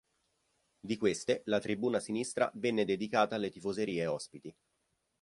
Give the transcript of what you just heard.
Di queste, la tribuna sinistra venne dedicata alle tifoserie ospiti.